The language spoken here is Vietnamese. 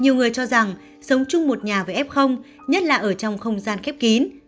nhiều người cho rằng sống chung một nhà với f nhất là ở trong không gian khép kín